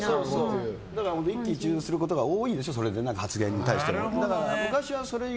一喜一憂することが多いんでしょ発言に対しても。